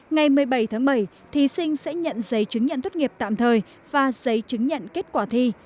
ngày một mươi bảy tháng bảy thí sinh sẽ nhận giấy chứng nhận tốt nghiệp tạm thời và giấy chứng nhận kết quả thi